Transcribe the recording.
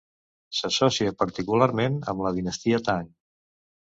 S'associa particularment amb la dinastia Tang.